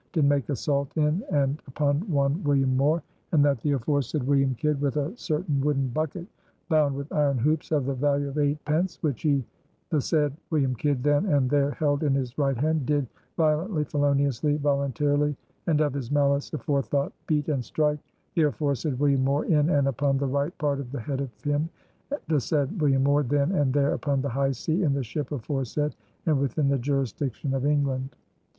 did make assault in and upon one William Moore ... and that the aforesaid William Kidd with a certain wooden bucket, bound with iron hoops, of the value of eight pence, which he the said William Kidd then and there held in his right hand, did violently, feloniously, voluntarily, and of his malice aforethought beat and strike the aforesaid William Moore in and upon the right part of the head of him, the said William Moore then and there upon the high sea in the ship aforesaid and within the jurisdiction of England."